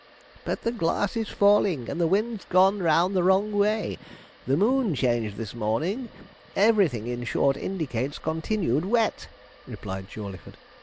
'But the glass is falling, and the wind's gone round the wrong way; the moon changed this morning everything, in short, indicates continued wet,' replied Jawleyford.